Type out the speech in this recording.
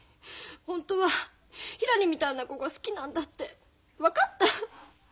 ホントはひらりみたいな子が好きなんだって分かった。